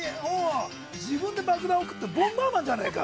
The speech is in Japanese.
自分で爆弾置くってボンバーマンじゃねえか！